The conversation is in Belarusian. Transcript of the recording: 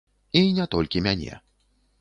І не толькі мяне.